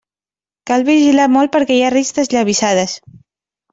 Cal vigilar molt perquè hi ha risc d'esllavissades.